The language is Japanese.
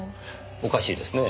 おかしいですねぇ。